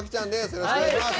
よろしくお願いします。